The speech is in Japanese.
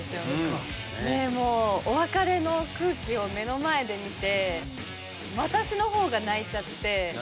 でもうお別れの空気を目の前で見て私のほうが泣いちゃって。